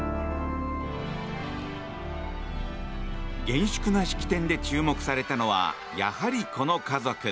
厳粛な式典で注目されたのはやはりこの家族。